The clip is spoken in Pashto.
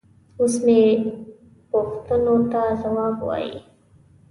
اوس مې پوښتنو ته ځواب وايي.